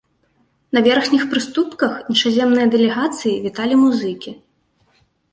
На верхніх прыступках іншаземныя дэлегацыі віталі музыкі.